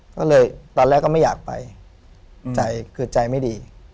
ก็เลยตอนแรกก็ไม่อยากไปใจคือใจไม่ดี